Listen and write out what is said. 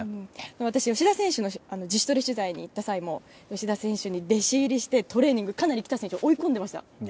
私が吉田選手の自主トレ取材に行った際も吉田選手に弟子入りしてトレーニングで来田選手を追い込んでましたね。